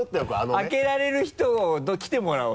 開けられる人来てもらおう。